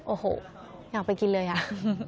โอ้โหอยากไปกินเลยอ่ะ